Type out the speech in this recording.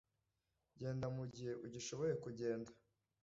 Genda mugihe ugishoboye kugenda